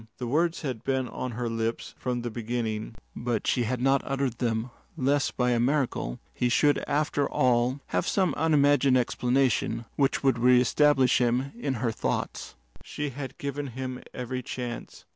The words had been on her lips from the beginning, but she had not uttered them lest by a miracle he should after all have some unimagined explanation which would reestablish him in her thoughts. She had given him every chance.